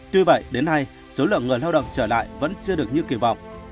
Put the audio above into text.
tuy vậy đến nay số lượng người lao động trở lại vẫn chưa được như kỳ vọng